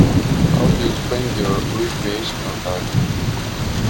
How do you spend your recreational time?